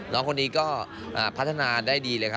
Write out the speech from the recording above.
น้องคนนี้ก็พัฒนาได้ดีเลยครับ